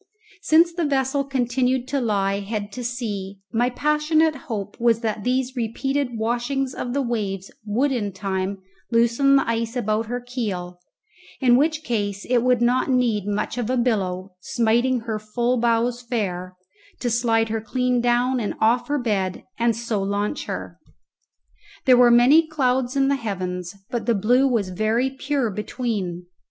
Since the vessel continued to lie head to sea, my passionate hope was that these repeated washings of the waves would in time loosen the ice about her keel, in which case it would not need much of a billow, smiting her full bows fair, to slide her clean down and off her bed and so launch her. There were many clouds in the heavens, but the blue was very pure between.